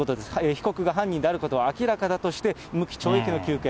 被告が犯人であることは明らかだとして、無期懲役の求刑。